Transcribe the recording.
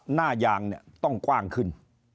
หน้ายางต้องกว้างขึ้น